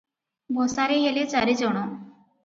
ବସାରେ ହେଲେ ଚାରିଜଣ ।